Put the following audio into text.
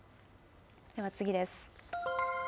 では次です。